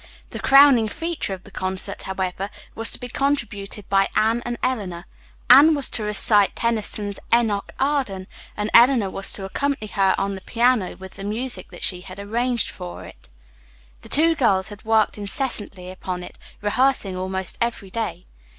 The crowning feature of the concert, however, was to be contributed by Anne and Eleanor. Anne was to recite Tennyson's "Enoch Arden," and Eleanor was to accompany her on the piano with the music that she had arranged for it. The two girls had worked incessantly upon it, rehearsing almost every day.